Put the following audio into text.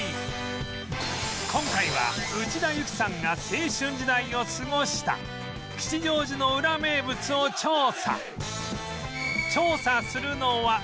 今回は内田有紀さんが青春時代を過ごした吉祥寺のウラ名物を調査